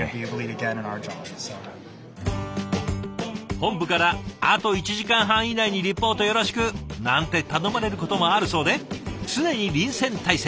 本部から「あと１時間半以内にリポートよろしく！」なんて頼まれることもあるそうで常に臨戦態勢。